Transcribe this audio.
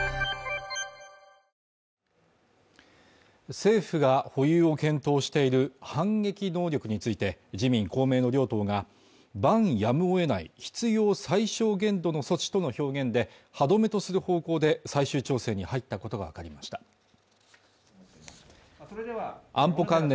政府が保有を検討している反撃能力について自民・公明の両党が「万やむをえない必要最小限度の措置」との表現で歯止めとする方向で最終調整に入ったことが分かりました安保関連